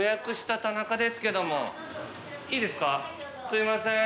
すいません。